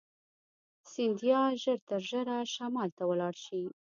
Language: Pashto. سیندهیا ژر تر ژره شمال ته ولاړ شي.